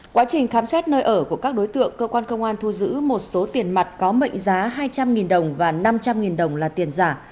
quá trình khám xét nơi ở của các đối tượng cơ quan công an thu giữ một số tiền mặt có mệnh giá hai trăm linh đồng và năm trăm linh đồng là tiền giả